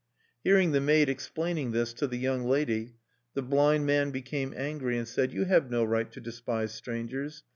Hearing the maid explaining thus to the young lady, the blind man became angry, and said: "You have no right to despise strangers.